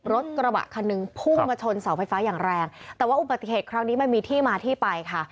รถกระบะคันหนึ่งพุ่งมาชนเสาไฟฟ้าอย่างแรงแต่ว่าอุบัติเหตุครั้งนี้มันมีที่มาที่ไปค่ะ